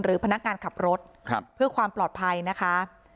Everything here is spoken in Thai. พนักงานขับรถเพื่อความปลอดภัยนะคะ